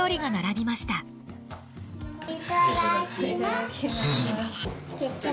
いただきます。